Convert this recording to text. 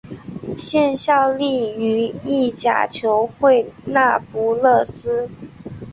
现效力于意甲球会那不勒斯。